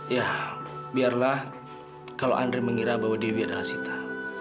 ya biarlah kalau andri mengira dewi adalah sita